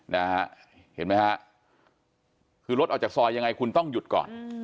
นะฮะเห็นไหมฮะคือรถออกจากซอยยังไงคุณต้องหยุดก่อน